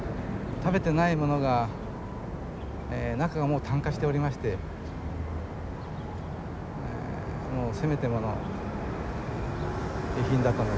食べてないものが中がもう炭化しておりましてせめてもの遺品だと思って持って帰りました。